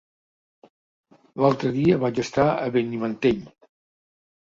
L'altre dia vaig estar a Benimantell.